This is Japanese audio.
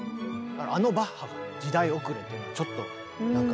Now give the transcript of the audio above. あのバッハが時代遅れというちょっとなんか。